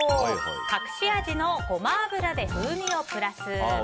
隠し味のゴマ油で風味をプラス！